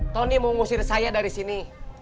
tony mengusir saya dari sini